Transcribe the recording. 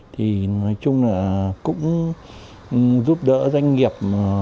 thì nói chung là cũng giúp đỡ doanh nghiệp